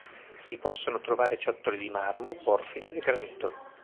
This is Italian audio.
Si possono trovare ciottoli di marmo, porfido e granito.